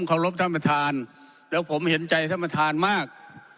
ขอรบท่านประธานแล้วผมเห็นใจท่านประธานมาก